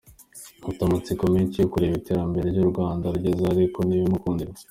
Afite amatsiko menshi yo kureba Iterambere u Rwanda rugezeho ariko ntibimukundire.